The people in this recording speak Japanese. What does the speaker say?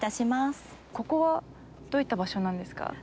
ここはどういった場所なんですか？